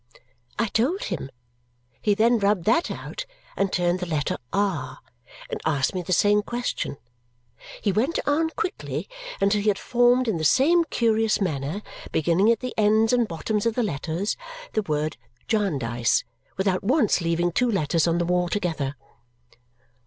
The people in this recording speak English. I told him. He then rubbed that out and turned the letter "r," and asked me the same question. He went on quickly until he had formed in the same curious manner, beginning at the ends and bottoms of the letters, the word Jarndyce, without once leaving two letters on the wall together.